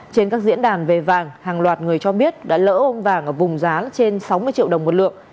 trên các diễn đàn về vàng hàng loạt người cho biết đã lỡ ôm vàng ở vùng giá trên sáu mươi triệu đồng một lượng